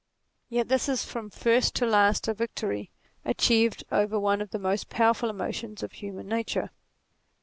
Yet this is from first to last a victory achieved over one of the most powerful emotions of human nature.